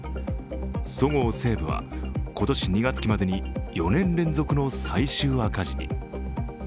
そごう・西武は今年２月期までに４年連続の最終赤字に。